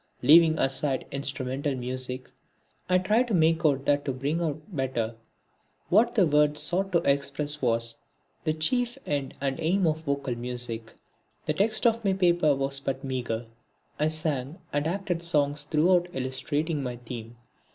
Leaving aside instrumental music, I tried to make out that to bring out better what the words sought to express was the chief end and aim of vocal music. The text of my paper was but meagre. I sang and acted songs throughout illustrating my theme.